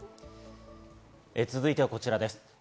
続いてはこちらです。